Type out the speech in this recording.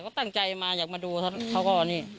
ก็ตั้งใจมาอยากมาดูเขาก็นี่